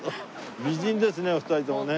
美人ですねお二人ともね。